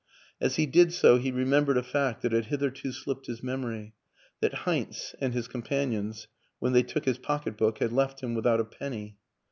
As he did so he remembered a fact that had hitherto slipped his memory that Heinz and his companions, when they took his pocket book, had left him without a penny.